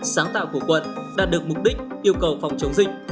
sáng tạo của quận đạt được mục đích yêu cầu phòng chống dịch